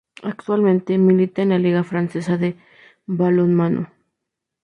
Actualmente milita en la Liga francesa de balonmano.